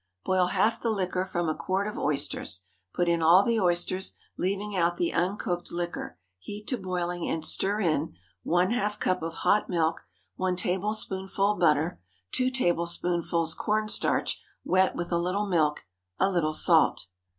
_ Boil half the liquor from a quart of oysters. Put in all the oysters, leaving out the uncooked liquor; heat to boiling, and stir in— ½ cup of hot milk. 1 tablespoonful butter. 2 tablespoonfuls corn starch, wet with a little milk. A little salt.